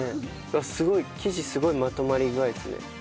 すごい生地すごいまとまり具合ですね。